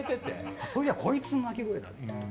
あっ、そういやこいつの鳴き声だって。